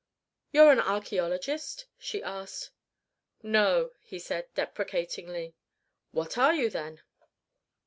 "You're an archæologist?" she asked. "No," he said, deprecatingly. "What are you, then?"